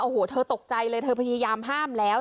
โอ้โหเธอตกใจเลยเธอพยายามห้ามแล้ว